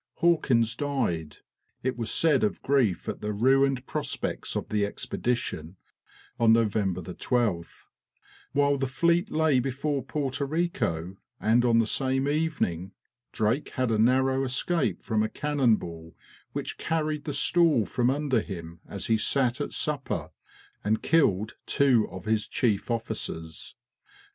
Hawkins died, it was said of grief at the ruined prospects of the expedition, November 12th, while the fleet lay before Porto Rico; and on the same evening Drake had a narrow escape from a cannon ball, which carried the stool from under him as he sat at supper and killed two of his chief officers.